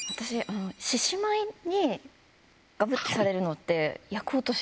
獅子舞にガブってされるのって。